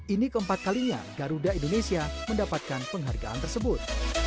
ini keempat kalinya garuda indonesia mendapatkan penghargaan tersebut